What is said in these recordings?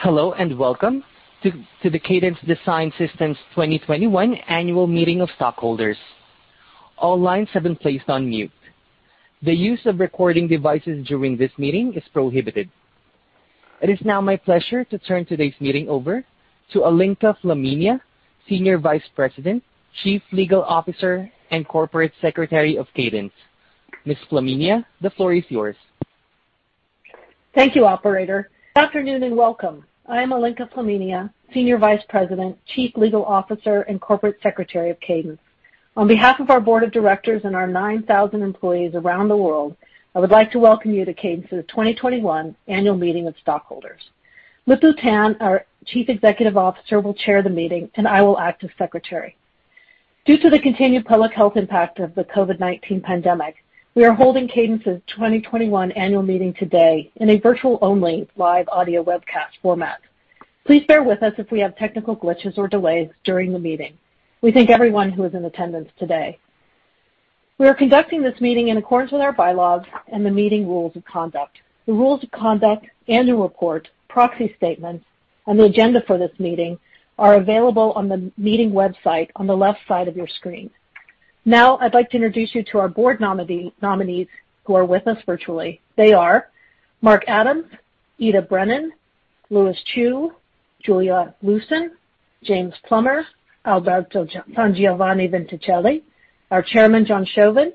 Hello and welcome to the Cadence Design Systems 2021 Annual Meeting of Stockholders. All lines have been placed on mute. The use of recording devices during this meeting is prohibited. It is now my pleasure to turn today's meeting over to Alinka Flaminia, Senior Vice President, Chief Legal Officer, and Corporate Secretary of Cadence. Ms. Flaminia, the floor is yours. Thank you, operator. Good afternoon and welcome. I am Alinka Flaminia, Senior Vice President, Chief Legal Officer, and Corporate Secretary of Cadence. On behalf of our board of directors and our 9,000 employees around the world, I would like to welcome you to Cadence's 2021 Annual Meeting of Stockholders. Lip-Bu Tan, our Chief Executive Officer, will chair the meeting, and I will act as secretary. Due to the continued public health impact of the COVID-19 pandemic, we are holding Cadence's 2021 Annual Meeting today in a virtual-only live audio webcast format. Please bear with us if we have technical glitches or delays during the meeting. We thank everyone who is in attendance today. We are conducting this meeting in accordance with our bylaws and the meeting rules of conduct. The Rules of Conduct, Annual Report, Proxy Statements, and the agenda for this meeting are available on the meeting website on the left side of your screen. Now, I'd like to introduce you to our Board nominees who are with us virtually. They are Mark Adams, Ita Brennan, Lewis Chew, Julia Liuson, James Plummer, Alberto Sangiovanni-Vincentelli, our Chairman, John B. Shoven,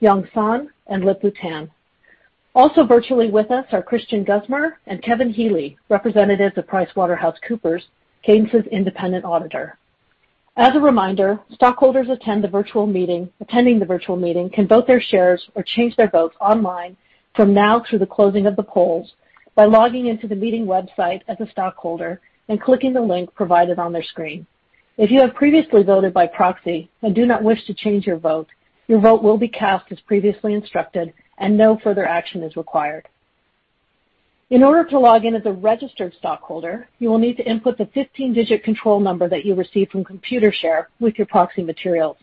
Young K. Sohn, and Lip-Bu Tan. Also virtually with us are Christian Guzmar and Kevin Healy, representatives of PricewaterhouseCoopers, Cadence's independent auditor. As a reminder, stockholders attending the virtual meeting can vote their shares or change their votes online from now through the closing of the polls by logging into the meeting website as a stockholder and clicking the link provided on their screen. If you have previously voted by proxy and do not wish to change your vote, your vote will be cast as previously instructed and no further action is required. In order to log in as a registered stockholder, you will need to input the 15-digit control number that you received from Computershare with your proxy materials.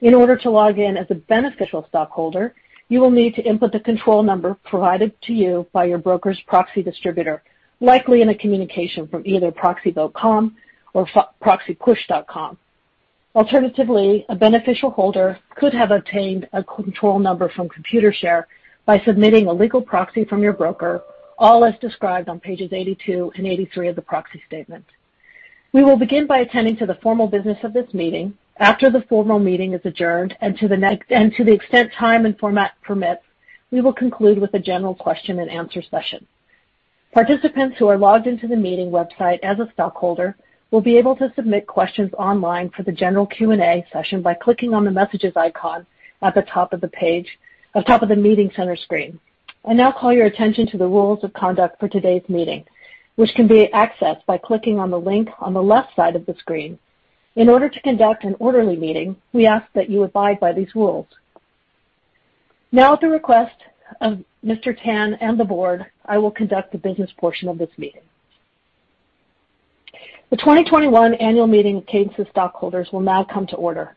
In order to log in as a beneficial stockholder, you will need to input the control number provided to you by your broker's proxy distributor, likely in a communication from either proxyvote.com or proxypush.com. Alternatively, a beneficial holder could have obtained a control number from Computershare by submitting a legal proxy from your broker, all as described on Pages 82 and 83 of the Proxy Statement. We will begin by attending to the formal business of this meeting. After the formal meeting is adjourned, and to the extent time and format permits, we will conclude with a general question-and-answer session. Participants who are logged into the meeting website as a stockholder will be able to submit questions online for the general Q&A session by clicking on the messages icon at the top of the Meeting Center screen. I now call your attention to the Rules of Conduct for today's meeting, which can be accessed by clicking on the link on the left side of the screen. In order to conduct an orderly meeting, we ask that you abide by these rules. Now, at the request of Mr. Tan and the board, I will conduct the business portion of this meeting. The 2021 annual meeting of Cadence's stockholders will now come to order.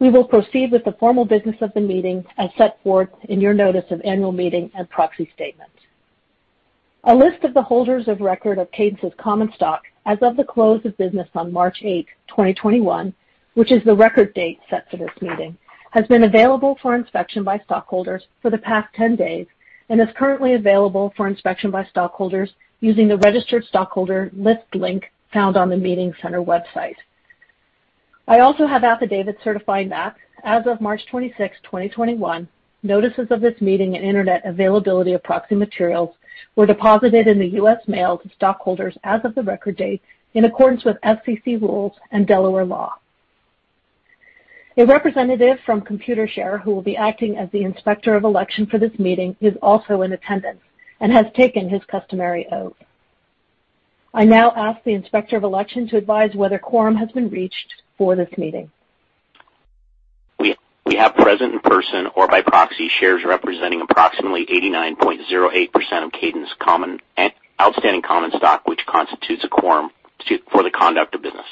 We will proceed with the formal business of the meeting as set forth in your Notice of Annual Meeting and Proxy Statement. A list of the holders of record of Cadence's common stock as of the close of business on March 8th, 2021, which is the record date set for this meeting, has been available for inspection by stockholders for the past 10 days and is currently available for inspection by stockholders using the registered stockholder list link found on the Meeting Center website. I also have affidavits certifying that as of March 26th, 2021, notices of this meeting and internet availability of proxy materials were deposited in the U.S. mail to stockholders as of the record date in accordance with SEC rules and Delaware law. A representative from Computershare who will be acting as the Inspector of Election for this meeting is also in attendance and has taken his customary oath. I now ask the Inspector of Election to advise whether quorum has been reached for this meeting. We have present in person or by proxy shares representing approximately 89.08% of Cadence outstanding common stock, which constitutes a quorum for the conduct of business.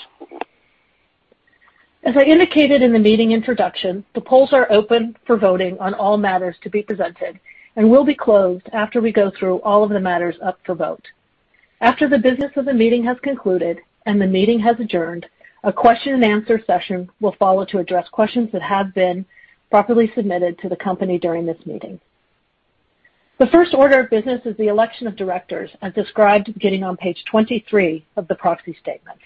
As I indicated in the meeting introduction, the polls are open for voting on all matters to be presented and will be closed after we go through all of the matters up for vote. After the business of the meeting has concluded and the meeting has adjourned, a question-and-answer session will follow to address questions that have been properly submitted to the company during this meeting. The first order of business is the election of directors as described beginning on Page 23 of the Proxy Statement.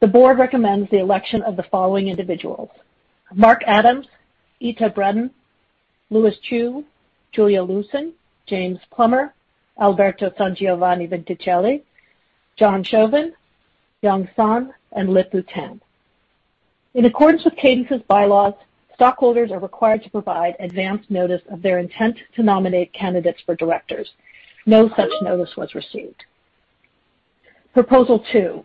The board recommends the election of the following individuals: Mark W. Adams, Ita Brennan, Lewis Chew, Julia Liuson, James Plummer, Alberto Sangiovanni-Vincentelli, John Shoven, Young K. Sohn, and Lip-Bu Tan. In accordance with Cadence's bylaws, stockholders are required to provide advance notice of their intent to nominate candidates for directors. No such notice was received. Proposal 2,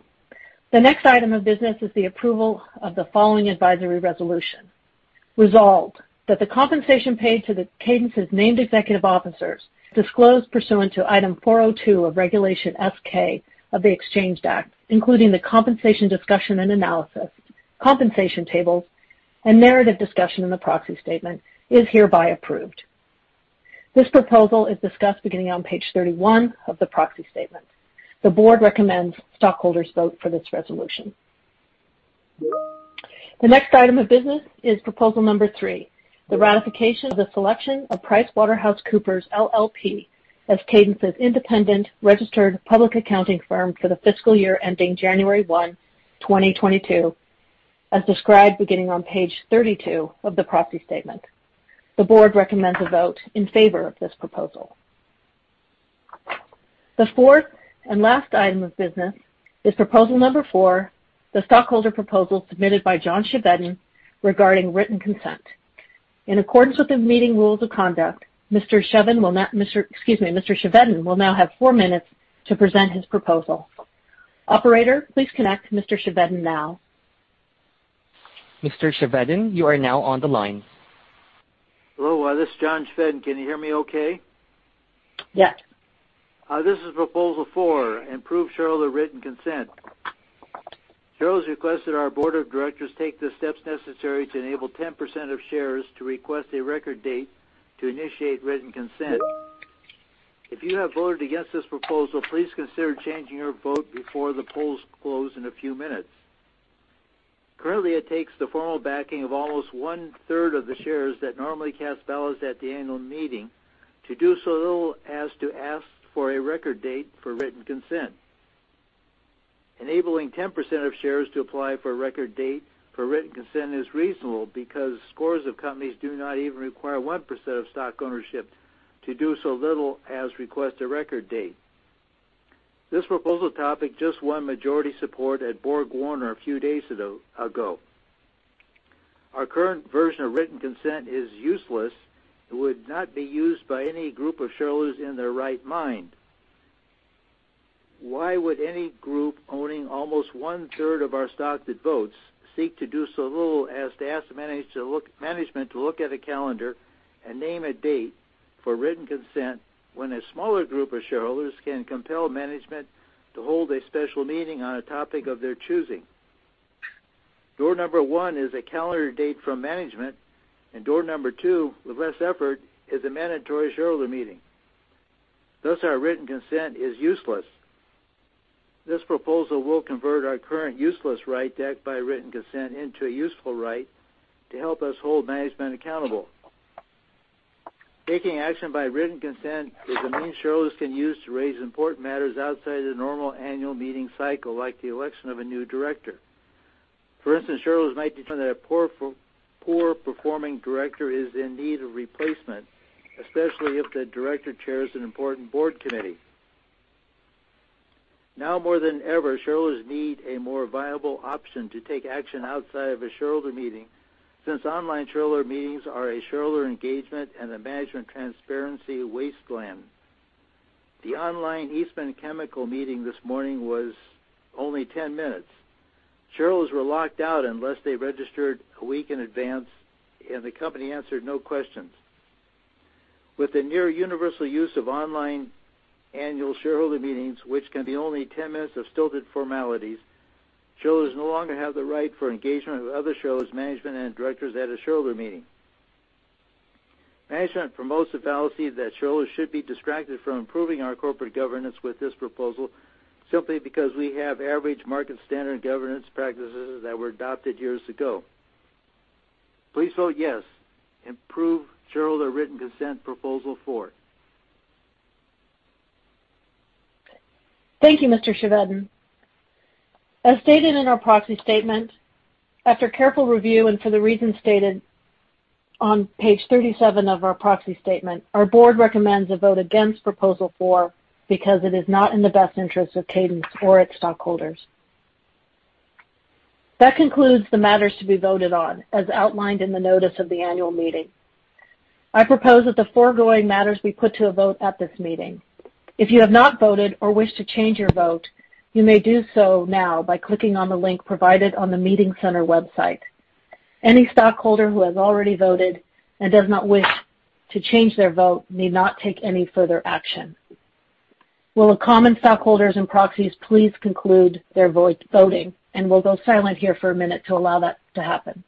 the next item of business is the approval of the following advisory resolution. Resolved, that the compensation paid to the Cadence's named executive officers disclosed pursuant to Item 402 of Regulation S-K of the Exchange Act, including the compensation discussion and analysis, compensation tables and narrative discussion in the Proxy Statement is hereby approved. This proposal is discussed beginning on Page 31 of the Proxy Statement. The board recommends stockholders vote for this resolution. The next item of business is Proposal Number 3, the ratification of the selection of PricewaterhouseCoopers LLP as Cadence's independent registered public accounting firm for the fiscal year ending January 1, 2022, as described beginning on Page 32 of the Proxy Statement. The board recommends a vote in favor of this proposal. The fourth and last item of business is Proposal Number 4, the stockholder proposal submitted by John Chevedden regarding written consent. In accordance with the meeting Rules of Conduct, Mr. Chevedden will now have four minutes to present his proposal. Operator, please connect Mr. Chevedden now. Mr. Chevedden, you are now on the line. Hello, this is John Chevedden. Can you hear me okay? Yes. This is Proposal 4, improve shareholder written consent. Shareholder has requested our board of directors take the steps necessary to enable 10% of shares to request a record date to initiate written consent. If you have voted against this proposal, please consider changing your vote before the polls close in a few minutes. Currently, it takes the formal backing of almost 1/3 of the shares that normally cast ballots at the annual meeting to do so little as to ask for a record date for written consent. Enabling 10% of shares to apply for a record date for written consent is reasonable because scores of companies do not even require 1% of stock ownership to do so little as request a record date. This proposal topic just won majority support at BorgWarner a few days ago. Our current version of written consent is useless. It would not be used by any group of shareholders in their right mind. Why would any group owning almost 1/3 of our stock that votes seek to do so little as to ask management to look at a calendar and name a date for written consent when a smaller group of shareholders can compel management to hold a special meeting on a topic of their choosing? Door number 1 is a calendar date from management, and Door number 2, with less effort, is a mandatory shareholder meeting, thus our written consent is useless. This proposal will convert our current useless right backed by written consent into a useful right to help us hold management accountable. Taking action by written consent is a means shareholders can use to raise important matters outside of the normal annual meeting cycle, like the election of a new director. For instance, shareholders might determine that a poor-performing director is in need of replacement, especially if the director chairs an important board committee. Now more than ever, shareholders need a more viable option to take action outside of a shareholder meeting since online shareholder meetings are a shareholder engagement and a management transparency wasteland. The online Eastman Chemical meeting this morning was only 10 minutes. Shareholders were locked out unless they registered a week in advance, and the company answered no questions. With the near universal use of online annual shareholder meetings, which can be only 10 minutes of stilted formalities, shareholders no longer have the right for engagement with other shareholders, management, and directors at a shareholder meeting. Management promotes the fallacy that shareholders should be distracted from improving our corporate governance with this proposal simply because we have average market standard governance practices that were adopted years ago. Please vote yes. Improve shareholder written consent, Proposal 4. Thank you, Mr. Chevedden. As stated in our Proxy Statement, after careful review and for the reasons stated on Page 37 of our proxy statement, our board recommends a vote against Proposal four because it is not in the best interest of Cadence or its stockholders. That concludes the matters to be voted on as outlined in the Notice of the Annual Meeting. I propose that the foregoing matters be put to a vote at this meeting. If you have not voted or wish to change your vote, you may do so now by clicking on the link provided on the meeting center website. Any stockholder who has already voted and does not wish to change their vote need not take any further action. Will the common stockholders and proxies please conclude their voting? We'll go silent here for a minute to allow that to happen.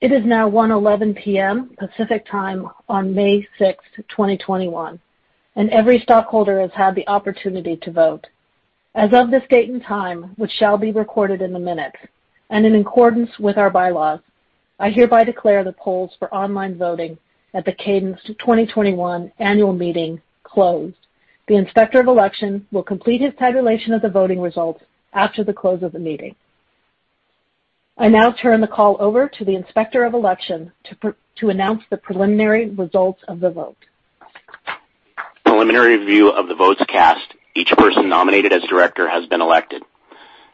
It is now 1:11 PM Pacific Time on May 6th, 2021, and every stockholder has had the opportunity to vote. As of this date and time, which shall be recorded in the minutes, and in accordance with our bylaws, I hereby declare the polls for online voting at the Cadence 2021 annual meeting closed. The Inspector of Election will complete his tabulation of the voting results after the close of the meeting. I now turn the call over to the Inspector of Election to announce the preliminary results of the vote. Based on a preliminary review of the votes cast, each person nominated as director has been elected.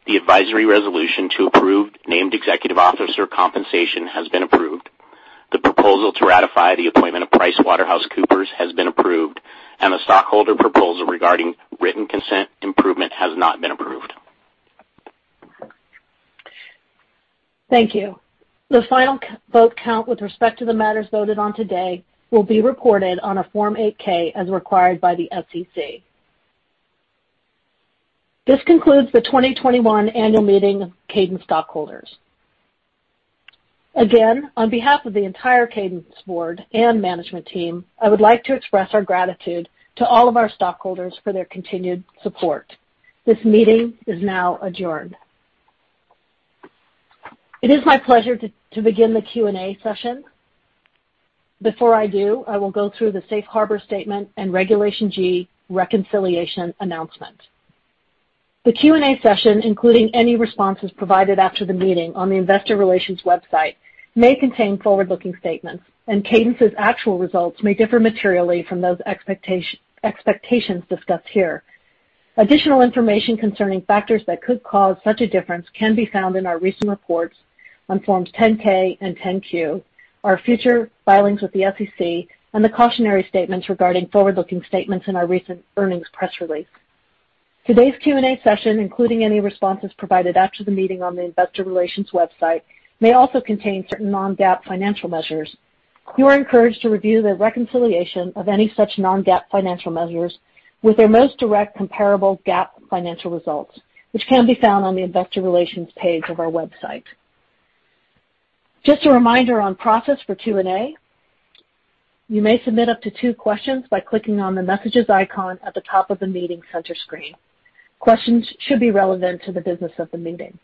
The advisory resolution to approve named executive officer compensation has been approved. The proposal to ratify the appointment of PricewaterhouseCoopers has been approved, and the stockholder proposal regarding written consent improvement has not been approved. Thank you. The final vote count with respect to the matters voted on today will be reported on a Form 8-K as required by the SEC. This concludes the 2021 Annual Meeting of Cadence Stockholders. Again, on behalf of the entire Cadence board and management team, I would like to express our gratitude to all of our stockholders for their continued support. This meeting is now adjourned. It is my pleasure to begin the Q&A session. Before I do, I will go through the safe harbor statement and Regulation G reconciliation announcement. The Q&A session, including any responses provided after the meeting on the investor relations website, may contain forward-looking statements, and Cadence's actual results may differ materially from those expectations discussed here. Additional information concerning factors that could cause such a difference can be found in our recent reports on Forms 10-K and 10-Q, our future filings with the SEC, and the cautionary statements regarding forward-looking statements in our recent earnings press release. Today's Q&A session, including any responses provided after the meeting on the investor relations website, may also contain certain non-GAAP financial measures. You are encouraged to review the reconciliation of any such non-GAAP financial measures with their most direct comparable GAAP financial results, which can be found on the investor relations page of our website. Just a reminder on process for Q&A. You may submit up to two questions by clicking on the messages icon at the top of the meeting center screen. Questions should be relevant to the business of the meeting.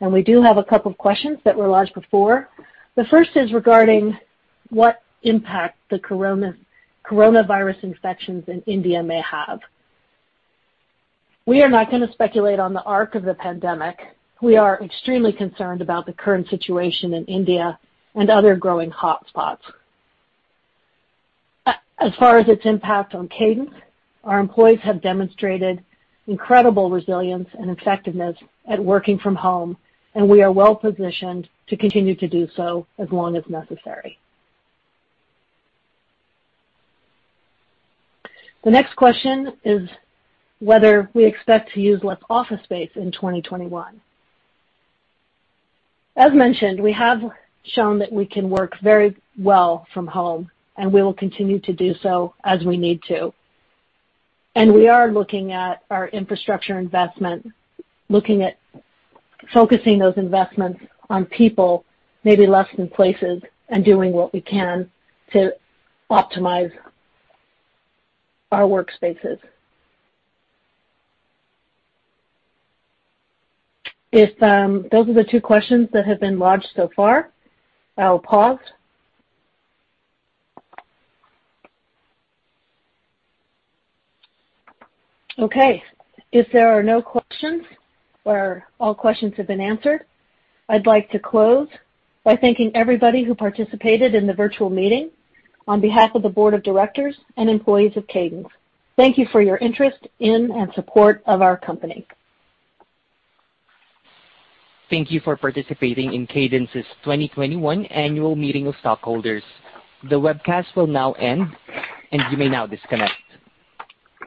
We do have a couple questions that were lodged before. The first is regarding what impact the coronavirus infections in India may have. We are not going to speculate on the arc of the pandemic. We are extremely concerned about the current situation in India and other growing hotspots. As far as its impact on Cadence, our employees have demonstrated incredible resilience and effectiveness at working from home, and we are well-positioned to continue to do so as long as necessary. The next question is whether we expect to use less office space in 2021. As mentioned, we have shown that we can work very well from home, we will continue to do so as we need to. We are looking at our infrastructure investment, looking at focusing those investments on people, maybe less on places, and doing what we can to optimize our workspaces. Those are the two questions that have been lodged so far. I'll pause. Okay. If there are no questions or all questions have been answered, I'd like to close by thanking everybody who participated in the virtual meeting on behalf of the board of directors and employees of Cadence. Thank you for your interest in and support of our company. Thank you for participating in Cadence's 2021 annual meeting of stockholders. The webcast will now end, and you may now disconnect.